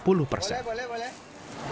boleh boleh boleh